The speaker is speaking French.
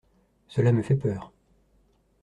Cela me fait peur.